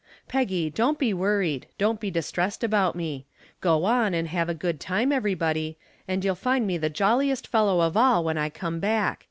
Peggy, don't be worried don't be distressed about me. Go on and have a good time, everybody, and you'll find me the jolliest fellow of all when I come back.